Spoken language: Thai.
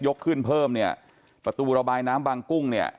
ขึ้นเพิ่มเนี่ยประตูระบายน้ำบางกุ้งเนี่ย